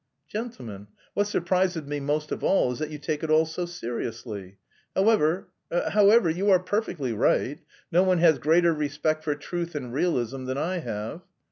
"Gentlemen, what surprises me most of all is that you take it all so seriously. However... however, you are perfectly right. No one has greater respect for truth and realism than I have...."